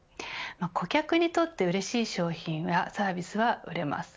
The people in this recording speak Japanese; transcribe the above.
顧客にとってうれしい商品やサービスは売れます。